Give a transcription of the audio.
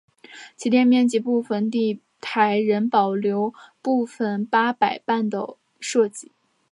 其店面及部份地台仍保留部份八佰伴的设计。